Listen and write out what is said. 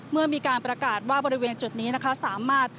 เมื่อมีการประกาศว่าบริเวณจุดนี้นะคะสามารถ